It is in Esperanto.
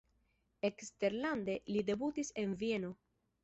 Eksterlande li debutis en Vieno.